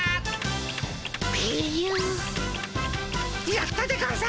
やったでゴンス！